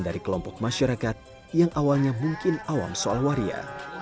dari kelompok masyarakat yang awalnya mungkin awam soal waria